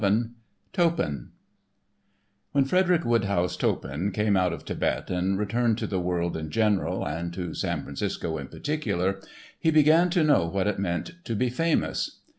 *Toppan* When Frederick Woodhouse Toppan came out of Thibet and returned to the world in general and to San Francisco in particular, he began to know what it meant to be famous.